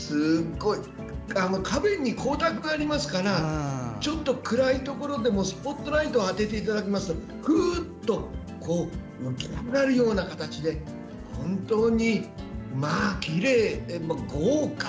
花弁に光沢がありますからちょっと暗いところでもスポットライトを当てていただくとふーっと浮き上がるような形で本当にきれいで豪華。